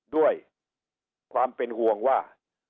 ด้วยความเป็นห่วงว่า